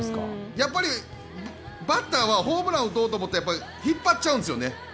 やっぱりバッターはホームランを打とうと思ったら引っ張っちゃうんですね。